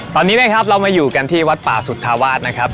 ตอนนี้นะครับเรามาอยู่กันที่วัดป่าสุธาวาสนะครับ